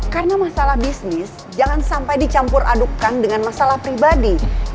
karena masalah bisnis jangan sampai dicampur adukkan dengan masalah pribadi